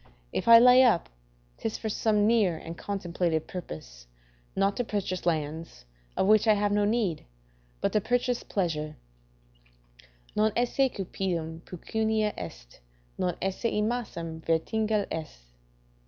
If I lay up, 'tis for some near and contemplated purpose; not to purchase lands, of which I have no need, but to purchase pleasure: "Non esse cupidum, pecunia est; non esse emacem, vertigal est."